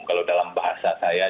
kalau dalam bahasa saya